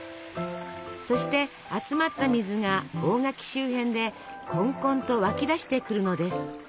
そして集まった水が大垣周辺でこんこんと湧き出してくるのです。